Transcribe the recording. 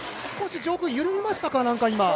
少し上空は緩みましたか、今。